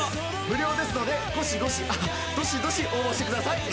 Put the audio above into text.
無料ですのでごしごしあっどしどし応募してください！